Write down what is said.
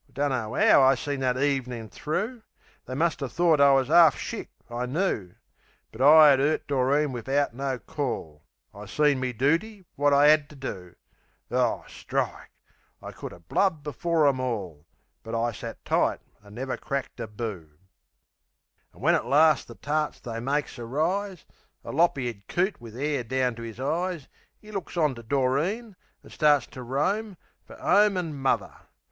I dunno 'ow I seen that evenin' thro'. They muster thort I was 'arf shick, I knoo. But I 'ad 'urt Doreen wivout no call; I seen me dooty, wot I 'ad to do. O, strike! I could 'a' blubbed before 'em all! But I sat tight, an' never cracked a boo. An' when at larst the tarts they makes a rise, A lop eared coot wiv 'air down to 'is eyes 'E 'ooks on to Doreen, an' starts to roam Fer 'ome an' muvver.